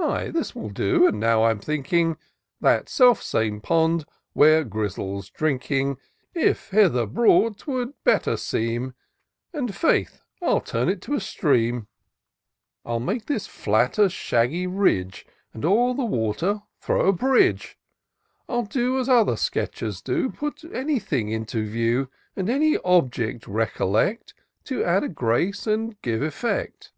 Ay ! this will do : and now I'm thinking. That self same pond where Grizzle's drinking, 14 TOUR OF DOCTOR SYNTAX If hither brought 'twould better seem^ And, faith, I'll turn it to a stream : I'll make this flat a shaggy ridge, • And o'er the water throw a bridge : I'll do as other sketchers do — Put anything into the view ; And any object recollect. To add a grace, and give effect.